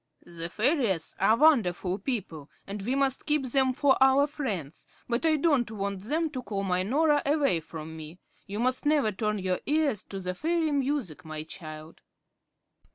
"The fairies are wonderful people, and we must keep them for our friends, but I don't want them to call my Norah away from me. You must never turn your ears to the fairy music, my child."